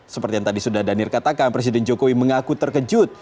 seperti yang tadi sudah danir katakan presiden jokowi mengaku terkejut